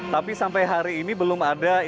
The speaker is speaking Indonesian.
tapi sampai hari ini belum ada